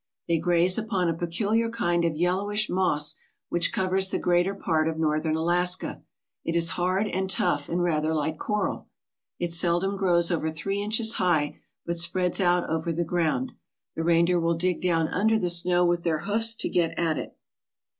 They graze upon a peculiar kind of yellowish moss which covers the greater part of northern Alaska. It is hard and tough and rather like coral. It seldom grows over three inches high, but spreads out over the ground. The reindeer will dig down under the snow with their hoofs to get at it.